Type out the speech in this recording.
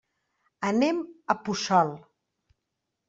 Anem a Puçol.